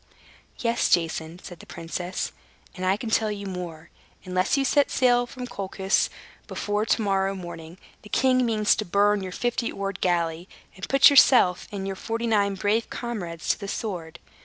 "Yes, Jason," said the princess, "and I can tell you more. Unless you set sail from Colchis before to morrow's sunrise, the king means to burn your fifty oared galley, and put yourself and your forty nine brave comrades to the sword.